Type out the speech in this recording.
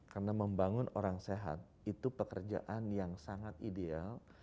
karena membangun orang sehat itu pekerjaan yang sangat ideal